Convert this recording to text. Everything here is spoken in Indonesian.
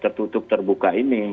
tertutup terbuka ini